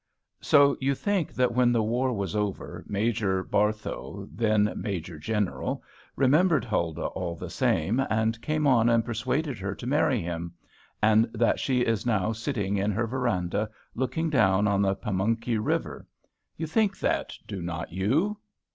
So you think that when the war was over Major Barthow, then Major General, remembered Huldah all the same, and came on and persuaded her to marry him, and that she is now sitting in her veranda, looking down on the Pamunkey River. You think that, do not you?